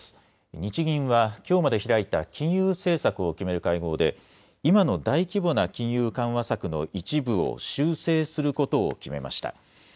日銀はきょうまで開いた金融政策を決める会合で今の大規模な金融緩和策の一部を修正することを決めました。